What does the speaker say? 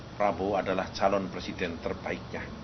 prabowo adalah calon presiden terbaiknya